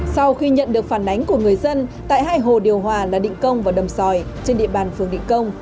sau khi nhận được phản ánh của người dân tại hai hồ định công và đầm xoài trên địa bàn phường định công